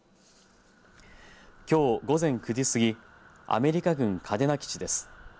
きょう午前９時過ぎアメリカ軍嘉手納基地です。